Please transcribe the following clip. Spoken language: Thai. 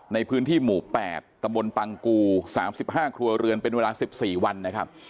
ในพื้นที่หมู่๘ตำบลปังกู๓๕ครัวเรือนเป็นเวลา๑๔วันนะครับ